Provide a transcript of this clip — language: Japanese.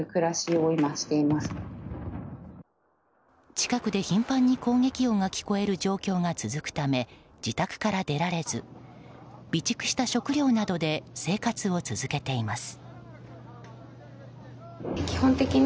近くで頻繁に攻撃音が聞こえる状況が続くため自宅から出られず、備蓄した食料などで生活を続けています。